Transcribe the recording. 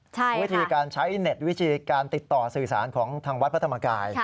วิธีการใช้เน็ตวิธีการติดต่อสื่อสารของทางวัดพระธรรมกาย